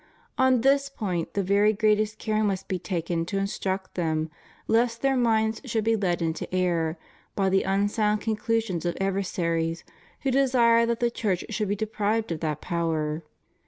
On this point the very greatest care must be taken to instruct them, lest their minds should be led into error by the unsound conclusions of adversaries who desire that the Church should be deprived of that power.